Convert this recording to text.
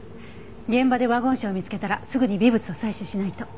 現場でワゴン車を見つけたらすぐに微物を採取しないと。